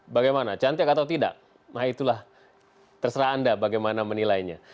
bagaimana cantik atau tidak nah itulah terserah anda bagaimana menilainya